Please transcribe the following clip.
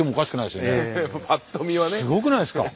すごくないですか。